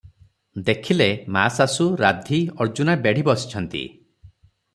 ଦେଖିଲେ ମାଶାଶୁ, ରାଧୀ, ଅର୍ଜୁନା ବେଢ଼ି ବସିଛନ୍ତି ।